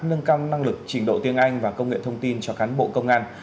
nâng cao năng lực trình độ tiếng anh và công nghệ thông tin cho cán bộ công an